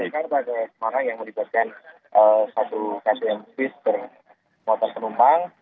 sekarang ada kemarin yang melibatkan satu kakien bis ke motor penumpang